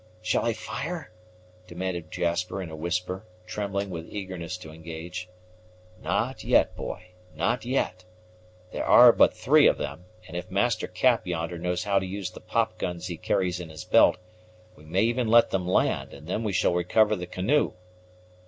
"Shall I fire?" demanded Jasper in a whisper, trembling with eagerness to engage. "Not yet, boy, not yet. There are but three of them, and if Master Cap yonder knows how to use the popguns he carries in his belt, we may even let them land, and then we shall recover the canoe."